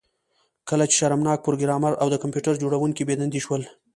کله چې شرمناک پروګرامر او د کمپیوټر جوړونکی بې دندې شول